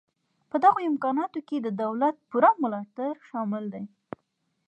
په دغه امکاناتو کې د دولت پوره ملاتړ شامل دی